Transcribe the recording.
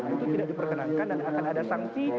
itu tidak diperkenankan dan akan ada sanksi